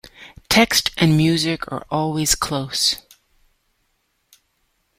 Text and music are always close.